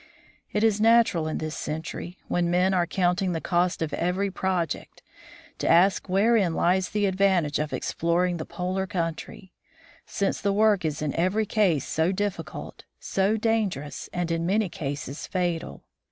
It is natural in this century, when men are counting the cost of every project, to ask wherein lies the advantage of exploring the polar country, since the work is in every case so difficult, so dangerous, and in many cases fatal.